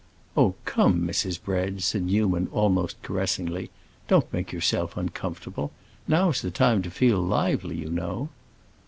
"Oh, come, Mrs. Bread," said Newman, almost caressingly, "don't make yourself uncomfortable. Now's the time to feel lively, you know."